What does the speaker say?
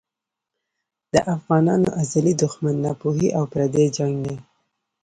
د افغانانو ازلي دښمن ناپوهي او پردی جنګ دی.